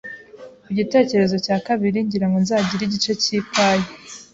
Ku gitekerezo cya kabiri, ngira ngo nzagira igice cyi pie.